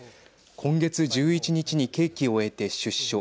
今月１１日に刑期を終えて出所。